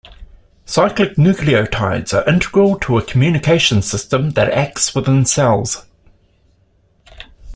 Cyclic nucleotides are integral to a communication system that acts within cells.